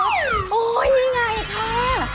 โอ้โหนี่ไงค่ะ